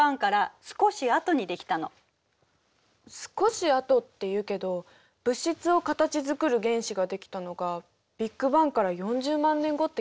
「少しあと」って言うけど物質を形づくる原子が出来たのがビッグバンから４０万年後って聞いたわ。